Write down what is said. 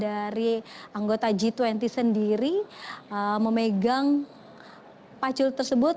dari anggota g dua puluh sendiri memegang pacul tersebut